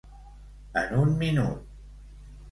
En un minut.